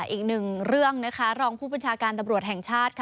อีกหนึ่งเรื่องนะคะรองผู้บัญชาการตำรวจแห่งชาติค่ะ